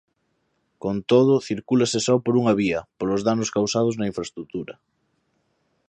Con todo, circulase só por unha vía polos danos causados na infraestrutura.